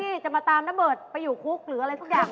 ที่จะมาตามนเบิร์ตไปอยู่คุกหรืออะไรสักอย่าง